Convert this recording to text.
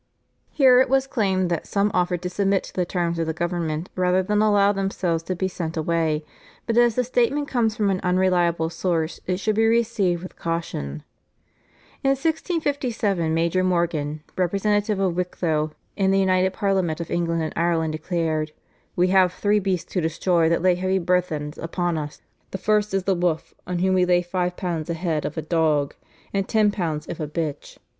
Here it was claimed that some offered to submit to the terms of the government rather than allow themselves to be sent away, but as the statement comes from an unreliable source it should be received with caution. In 1657 Major Morgan, representative of Wicklow in the United Parliament of England and Ireland, declared: "We have three beasts to destroy that lay heavy burthens upon us. The first is the wolf, on whom we lay five pounds a head of a dog, and ten pounds if a bitch.